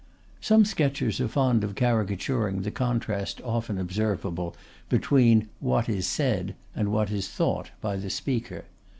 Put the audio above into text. Some sketchers are fond of caricaturing the contrast often observable between "what is said" and "what is thought" by the speaker.